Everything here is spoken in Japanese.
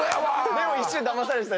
でも一瞬だまされてた。